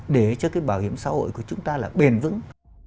để cho cái bảo hiểm xã hội của chúng ta là bền vững